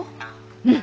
うん。